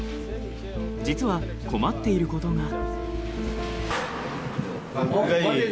実は困っていることが。